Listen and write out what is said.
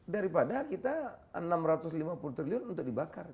daripada kita rp enam ratus lima puluh untuk dibakar